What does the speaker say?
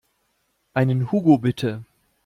Einen Hugo bitte.